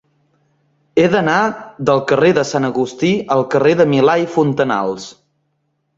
He d'anar del carrer de Sant Agustí al carrer de Milà i Fontanals.